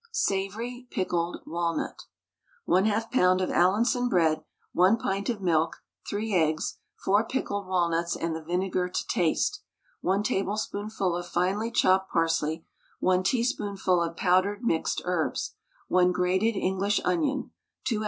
SAVOURY PICKLED WALNUT. 1/2 lb. of Allinson bread, 1 pint of milk, 3 eggs, 4 pickled walnuts and the vinegar to taste, 1 tablespoonful of finely chopped parsley, 1 teaspoonful of powdered mixed herbs, 1 grated English onion, 2 oz.